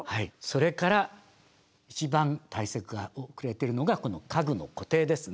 それから一番対策が遅れてるのがこの家具の固定ですね。